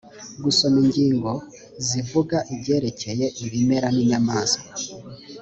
gusoma ingingo zivuga ibyerekeye ibimera n’inyamaswa